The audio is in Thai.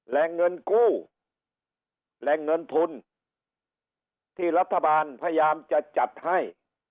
แหล่งเงินกู้แหล่งเงินทุนที่รัฐบาลพยายามจะจัดให้